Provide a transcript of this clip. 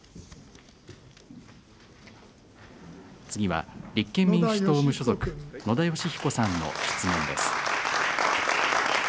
次は立憲民主党・無所属、野田佳彦さんの質問です。